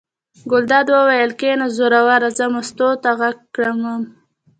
ګلداد وویل: کېنه زوروره زه مستو ته غږ کوم.